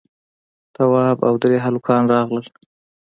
تواب او درې هلکان راغلل.